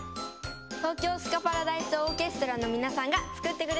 東京スカパラダイスオーケストラのみなさんがつくってくれたんです。